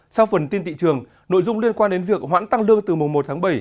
sau phần tin thị trường nội dung liên quan đến việc hoãn tăng lương từ mùa một tháng bảy